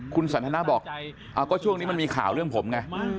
คุณสันทนาบอกก็ช่วงนี้มันมีข่าวเรื่องผมไง